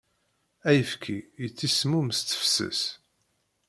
Ayefki yettismum s tefses.